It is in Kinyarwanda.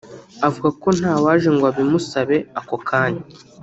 avuga ko ntawaje ngo abimusabe ako kanya